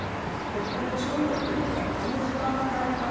ここで注意点というのはこの時間帯から